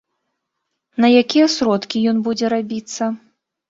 На якія сродкі ён будзе рабіцца?